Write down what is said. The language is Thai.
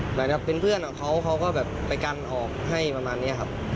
เหมือนกับเป็นเพื่อนของเขาเขาก็แบบไปกันออกให้ประมาณนี้ครับ